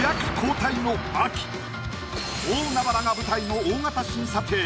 大海原が舞台の大型新査定。